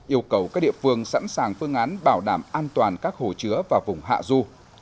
yêu cầu các địa phương sẵn sàng phương án bảo đảm an toàn các hồ chứa và vùng hạ du